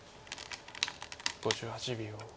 ５８秒。